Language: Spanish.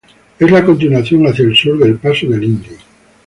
Es la continuación hacia el sur del paso del Indio.